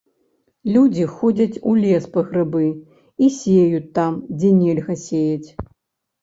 Людзі ходзяць у лес па грыбы і сеюць там, дзе нельга сеяць.